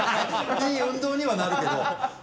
いい運動にはなるけど。